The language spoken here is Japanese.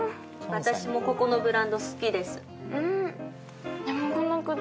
私もここのブランド好きです。